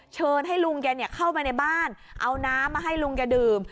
เชิญให้ลุงแกเข้าไปในบ้านเอาน้ำมาให้ลุงแกดื่ม